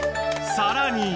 さらに。